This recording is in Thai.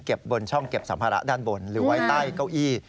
บนช่องเก็บสัมภาระด้านบนหรือไว้ใต้เก้าอี้